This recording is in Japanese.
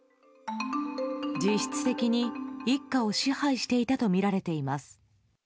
実質的に一家を支配していたとみられています。